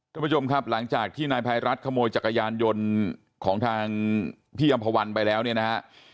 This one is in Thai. ท่านผู้ชมครับหลังจากที่นายภัยรัฐขโมยจักรยานยนต์ของทางพี่อำภาวันไปแล้วเนี่ยนะฮะ